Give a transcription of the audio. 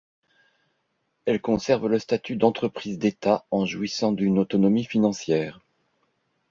Elle conserve le statut d’entreprise d’Etat en jouissant d’une autonomie financière.